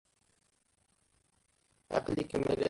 Aql-ikem la tessemɣared tamsalt.